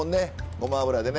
ごま油でね。